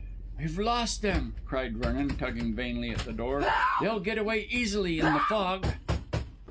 "We've lost them," cried Vernon, tugging vainly at the door. "They'll get away easily in the fog."